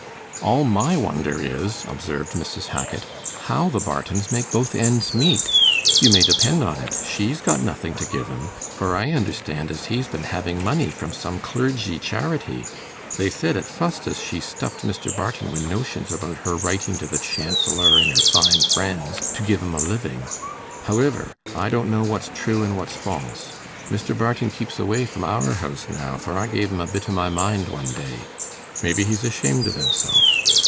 'All my wonder is,' observed Mrs. Hackit, 'how the Bartons make both ends meet. You may depend on it, she's got nothing to give 'em; for I understand as he's been having money from some clergy charity. They said at fust as she stuffed Mr. Barton wi' notions about her writing to the Chancellor an' her fine friends, to give him a living. Howiver, I don't know what's true an' what's false. Mr. Barton keeps away from our house now, for I gave him a bit o' my mind one day. Maybe he's ashamed of himself.